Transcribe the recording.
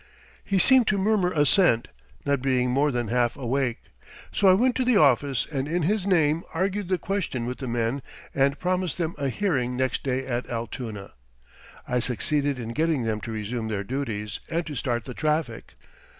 He seemed to murmur assent, not being more than half awake. So I went to the office and in his name argued the question with the men and promised them a hearing next day at Altoona. I succeeded in getting them to resume their duties and to start the traffic.